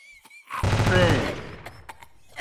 ڇے۔